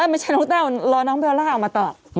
ไม่ใช่น้องแต้วรอน้องเบลล่าออกมาตอบ